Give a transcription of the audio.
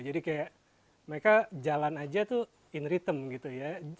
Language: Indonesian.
jadi kayak mereka jalan aja tuh in rhythm gitu ya